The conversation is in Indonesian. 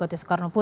oke makasih ya